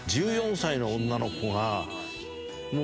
１４歳の女の子が。